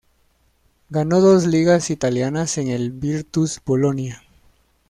Ganó dos ligas italianas con el Virtus Bolonia.